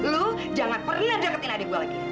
lu jangan pernah deketin adik gue lagi